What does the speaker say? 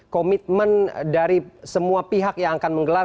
komitmen dari semua pihak yang akan menggelar